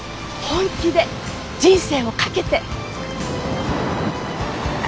本気で人生を懸けて。